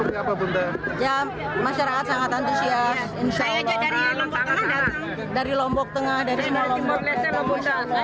insya allah orang orang datang dari lombok tengah dari semua lombok